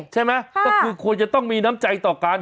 ใช่ไหมก็คือควรจะต้องมีน้ำใจต่อกัน